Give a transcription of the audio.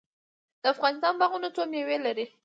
د افغانستان باغونه څه میوې لري؟